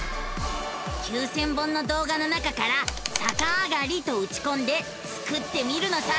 ９，０００本の動画の中から「さかあがり」とうちこんでスクってみるのさ！